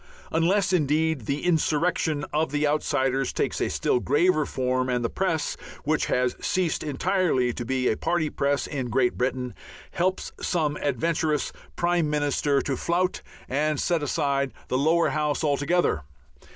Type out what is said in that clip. Unless, indeed, the insurrection of the outsiders takes a still graver form, and the Press, which has ceased entirely to be a Party Press in Great Britain, helps some adventurous Prime Minister to flout and set aside the lower House altogether.